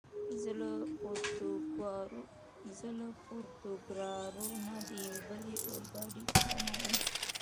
زه له پورتوګرارو نه د یوې بلې اورګاډي په تمه ووم.